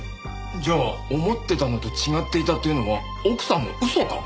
じゃあ思ってたのと違っていたというのは奥さんの嘘か？